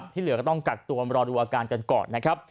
ที่เหลือก็ต้องกักตัวรอดูอาการกันก่อนนะครับ